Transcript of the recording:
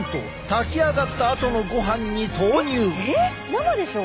生でしょ？